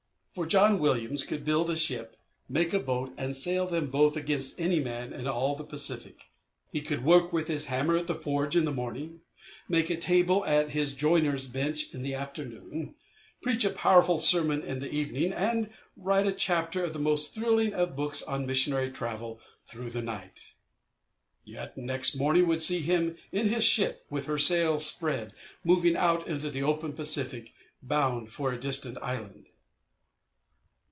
For John Williams could build a ship, make a boat and sail them both against any man in all the Pacific. He could work with his hammer at the forge in the morning, make a table at his joiner's bench in the afternoon, preach a powerful sermon in the evening, and write a chapter of the most thrilling of books on missionary travel through the night. Yet next morning would see him in his ship, with her sails spread, moving out into the open Pacific, bound for a distant island.